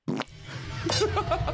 ハハハハハ！